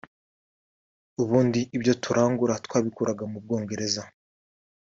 ubundi ibyo turangura twabikuraga mu Bwongereza